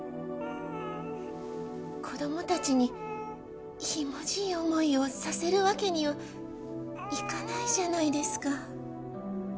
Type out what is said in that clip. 子どもたちにひもじい思いをさせる訳にはいかないじゃないですか。